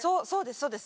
そうです